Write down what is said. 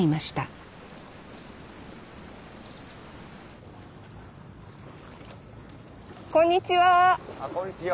あこんにちは。